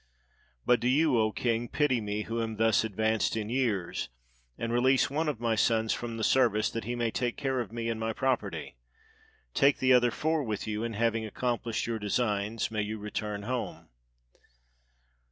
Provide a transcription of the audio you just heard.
But do you, O King, pity me, who am thus advanced in years, and release one of my sons from the service, that he may take care of me and my property. Take the other four with you, and, having accomplished your designs, may you return home."